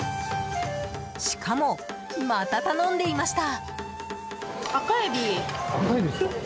しかも、また頼んでいました。